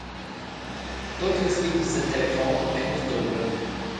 Tut las lingias da telefon vein nus dubel.